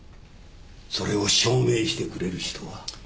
それを証明してくれる人は？